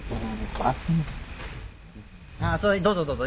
あどうぞどうぞ。